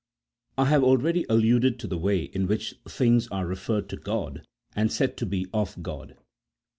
I have already alluded to the way in which things are referred to God, and said to be of God.